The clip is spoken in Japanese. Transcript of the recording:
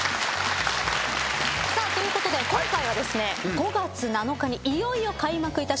ということで今回は５月７日にいよいよ開幕いたします